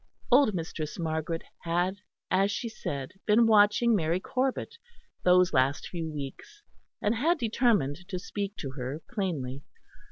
Old Mistress Margaret had, as she said, been watching Mary Corbet those last few weeks; and had determined to speak to her plainly.